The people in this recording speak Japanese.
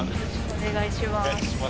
お願いします。